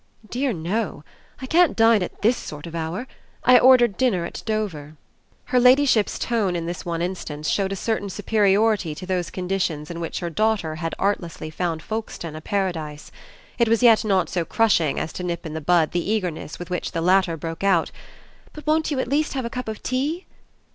"Dear no I can't dine at this sort of hour. I ordered dinner at Dover." Her ladyship's tone in this one instance showed a certain superiority to those conditions in which her daughter had artlessly found Folkestone a paradise. It was yet not so crushing as to nip in the bud the eagerness with which the latter broke out: "But won't you at least have a cup of tea?"